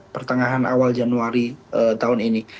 pertengahan awal januari tahun ini